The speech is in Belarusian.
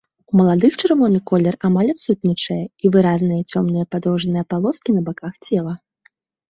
У маладых чырвоны колер амаль адсутнічае і выразныя цёмныя падоўжныя палоскі на баках цела.